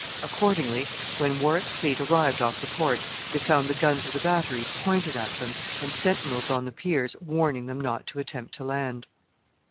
Accordingly, when Warwick's fleet arrived off the port, they found the guns of the batteries pointed at them, and sentinels on the piers warning them not to attempt to land.